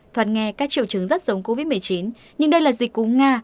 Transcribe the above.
thoạt nghe các triệu chứng rất giống covid một mươi chín nhưng đây là dịch cúng nga